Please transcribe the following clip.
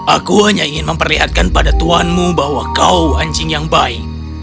aku hanya ingin memperlihatkan pada tuanmu bahwa kau anjing yang baik